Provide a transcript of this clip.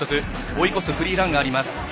追い越すフリーランがあります。